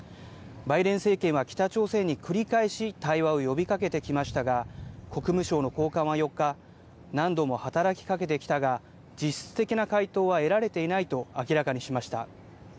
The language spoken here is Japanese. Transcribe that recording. バイデン政権は北朝鮮に繰り返し対話を呼びかけてきましたが、国務省の高官は４日、何度も働きかけてきたが、実質的な回答は得られていないと明らかにしました。